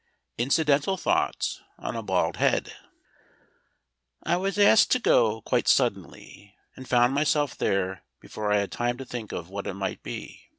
INCIDENTAL THOUGHTS ON A BALD HEAD I was asked to go, quite suddenly, and found myself there before I had time to think of what it might be.